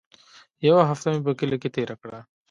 يوه هفته مې په کلي کښې تېره کړه.